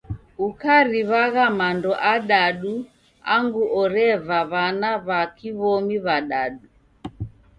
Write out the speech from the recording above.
Ukariw'agha mando adadu angu oreva w'ana w'a kiw'omi w'adadu.